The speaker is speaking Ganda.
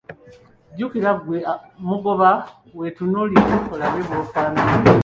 Jjukira ggwe mugoba, weetunuulire olabe bw'ofaanana.